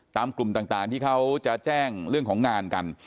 กลุ่มต่างที่เขาจะแจ้งเรื่องของงานกัน